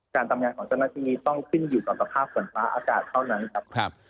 การทำงานของเจ้าหน้าที่ต้องขึ้นอยู่กับสภาพฝนฟ้าอากาศเท่านั้นครับ